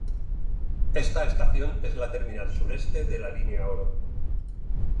Esta estación es la terminal sureste de la línea Oro.